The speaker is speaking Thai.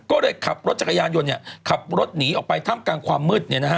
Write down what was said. ก็เลยขับรถจักรยานยนต์ขับรถหนีออกไปท่ามกลางความมืด